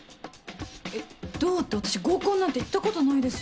えっどうって私合コンなんて行ったことないです。